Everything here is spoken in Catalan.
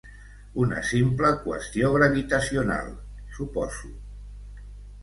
Una simple qüestió gravitacional, suposo.